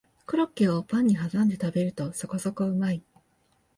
コロッケをパンにはさんで食べるとそこそこうまい